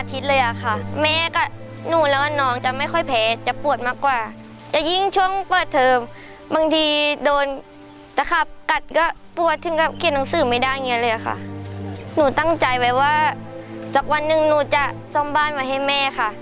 ตั้งใจไว้ว่าตรงจนหนูจะสร้างบ้านมาให้แม่ค่ะ